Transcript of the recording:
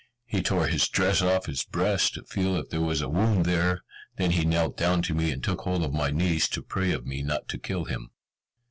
He tore his dress off his breast to feel if there was a wound there; then he knelt down to me, and took hold of my knees to pray of me not to kill him.